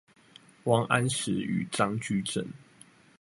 王安石與張居正